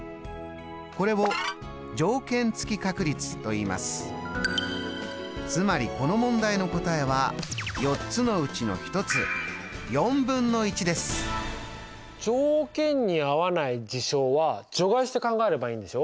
これをつまりこの問題の答えは４つのうちの１つ条件に合わない事象は除外して考えればいいんでしょ。